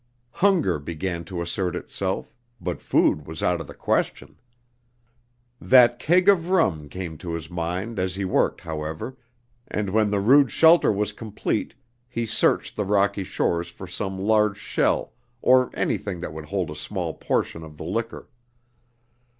Hunger began to assert itself, but food was out of the question. That keg of rum came to his mind as he worked, however, and when the rude shelter was complete he searched the rocky shores for some large shell, or anything that would hold a small portion of the liquor.